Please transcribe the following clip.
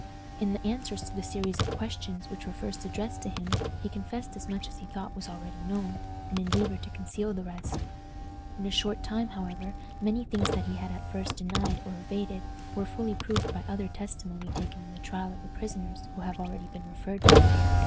In the answers to the series of questions which were first addressed to him, he confessed as much as he thought was already known, and endeavored to conceal the rest. In a short time, however, many things that he had at first denied or evaded were fully proved by other testimony taken in the trial of the prisoners who have already been referred to.